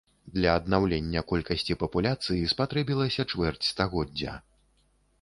Для аднаўлення колькасці папуляцыі спатрэбілася чвэрць стагоддзя.